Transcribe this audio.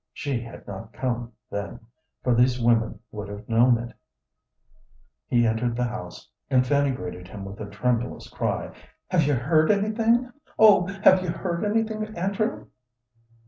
She had not come, then, for these women would have known it. He entered the house, and Fanny greeted him with a tremulous cry. "Have you heard anything; oh, have you heard anything, Andrew?"